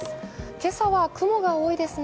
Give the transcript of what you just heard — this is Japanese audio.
今朝は雲が多いですね。